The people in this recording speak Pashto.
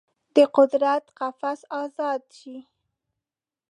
د قدرت قفس ازاد شي